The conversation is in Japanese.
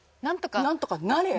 なんとかなれッ？